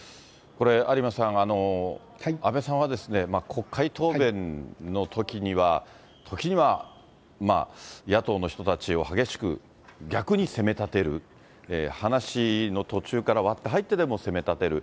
有馬さん、安倍さんは国会答弁のときには、時には野党の人たちを激しく逆に攻め立てる、話の途中から割って入ってでも攻め立てる。